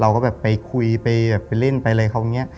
เราก็แบบไปคุยไปเล่นไปอะไรรั้งเนี้ย